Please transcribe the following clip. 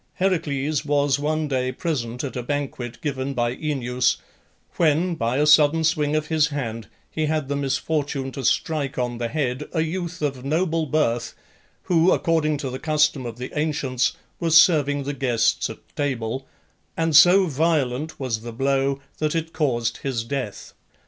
Heracles was one day present at a banquet given by Oeneus, when, by a sudden swing of his hand, he had the misfortune to strike on the head a youth of noble birth, who, according to the custom of the ancients, was serving the guests at table, and so violent was the blow that it caused his death.